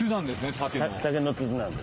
竹の筒なんです。